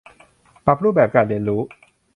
ปรับรูปแบบการเรียนรู้